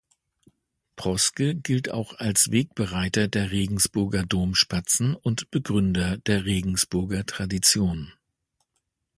Proske gilt auch als Wegbereiter der Regensburger Domspatzen und Begründer der Regensburger Tradition.